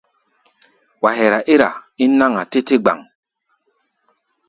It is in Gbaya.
Wa hɛra ɛ́r-a ín náŋ-a tɛ́ te gbáŋ.